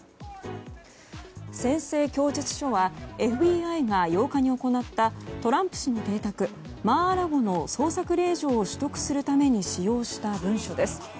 宣誓供述書はＦＢＩが８日に行ったトランプ氏の邸宅マー・ア・ラゴの捜索令状を取得するために使用した文書です。